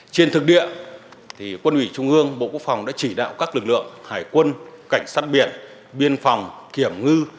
trên thực địa quân ủy trung ương bộ quốc phòng đã chỉ đạo các lực lượng hải quân cảnh sát biển biên phòng kiểm ngư